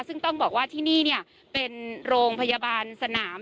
ซึ่งต้องบอกว่าที่นี่เป็นโรงพยาบาลสนาม